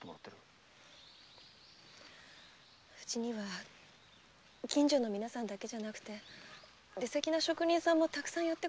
うちにはご近所のみなさんだけじゃなくて出先の職人さんもたくさん寄ってくれるんですよ。